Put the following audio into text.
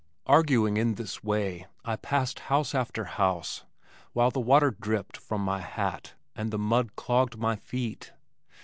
Arguing in this way I passed house after house while the water dripped from my hat and the mud clogged my feet.